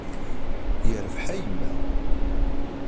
Yerbeḥ a yemma.